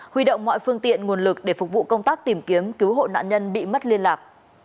huy động mọi phương tiện nguồn lực để phục vụ công tác tìm kiếm cứu hộ nạn nhân bị mất liên lạc